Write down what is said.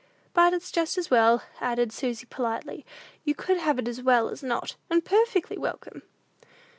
"But it's just as well," added Susy, politely; "you could have it as well as not, and perfectly welcome!"